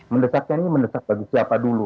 mendesaknya ini mendesak bagi siapa dulu